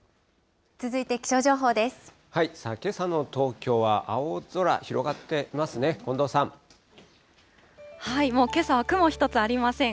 けさの東京は青空広がっていもう、けさは雲一つありません。